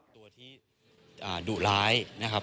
ตัวที่ดุร้ายนะครับ